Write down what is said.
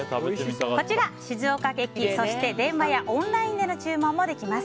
こちら、静岡駅の他、電話やオンラインでの注文もできます。